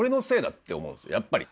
やっぱり。